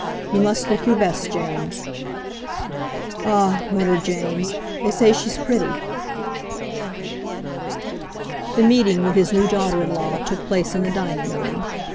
You must look your best, James." "Ah!" muttered James; "they say she's pretty." The meeting with his new daughter in law took place in the dining room.